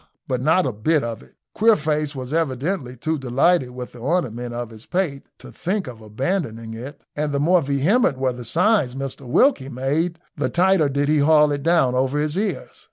But not a bit of it. Queerface was evidently too much delighted with the ornament on his pate to think of abandoning it, and the more vehement were the signs Mr Wilkie made the tighter did he haul it down over his ears.